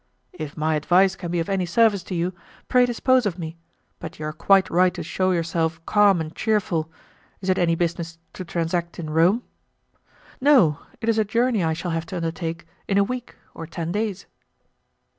"If my advice can be of any service to you, pray dispose of me; but you are quite right to shew yourself calm and cheerful. Is it any business to transact in Rome?" "No; it is a journey I shall have to undertake in a week or ten days."